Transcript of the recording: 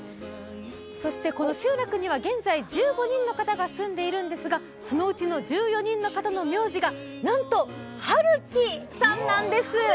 この集落には現在１５人の方が住んでいるんですが、そのうちの１４人の方の名字が、なんと春木さんなんです。